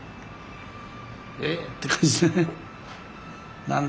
え⁉って感じでね